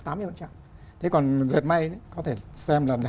thế còn dệt may có thể xem là